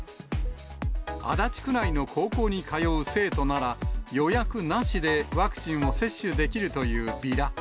足立区内の高校に通う生徒なら、予約なしでワクチンを接種できるというビラ。